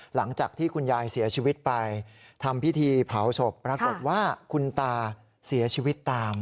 หลังจากที่คุณยายเสียชีวิตไปทำพิธีเผาศพปรากฏว่าคุณตาเสียชีวิตตาม